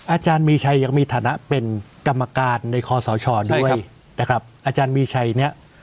อาจารย์มีชัยยังมีฐานะเป็นกรรมการในคอสชด้วยนะครับอาจารย์มีชัยเนี่ย